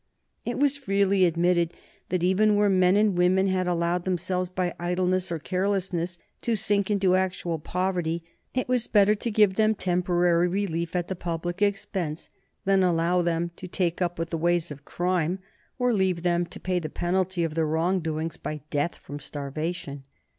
It was freely admitted that even where men and women had allowed themselves, by idleness or carelessness, to sink into actual poverty, it was better to give them temporary relief at the public expense than allow them to take up with the ways of crime, or leave them to pay the penalty of their wrongdoings by death from starvation.